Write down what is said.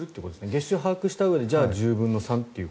月収も把握したうえでじゃあ１０分の３と。